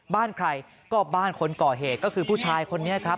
บ้านใครก็บ้านคนก่อเหตุก็คือผู้ชายคนนี้ครับ